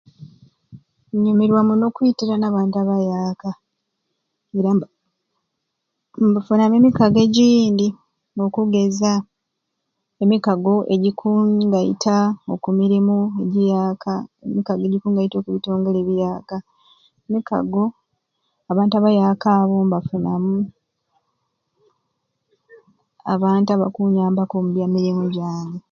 Nyumirwa muno okwitirana abantu abayaka era mba mbafunamu emikaago ejindi okugeza emikaago ejikungaita okumirimu ejiyaka emikaago ejikungaita okubitongole ebiyaka emikaago abantu abayaka abo mbafunamu abantu abakunyambaku omubya jange.